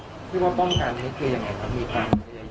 คือว่าป้องกันคืออย่างไรครับมีการพยายาม